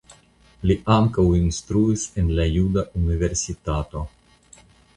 Li ankaŭ instruis en la Juda Universitato.